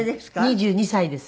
２２歳です。